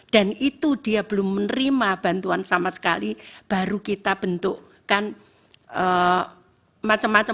dan itu dia belum menerima bantuan sama sekali baru kita bentukkan macam macam